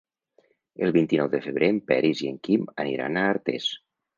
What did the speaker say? El vint-i-nou de febrer en Peris i en Quim aniran a Artés.